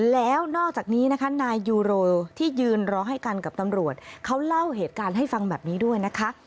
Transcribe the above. แล้วนอกจากนี้นะคะนายยูโรที่ยืนรอให้กันกับตำรวจเขาเล่าเหตุการณ์ให้ฟังแบบนี้ด้วยนะคะ